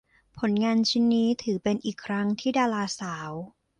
ผลงานชิ้นนี้ถือเป็นอีกครั้งที่ดาราสาว